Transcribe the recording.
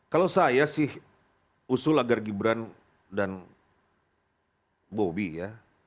kalau saya sih usul agar gibran dan bobi ya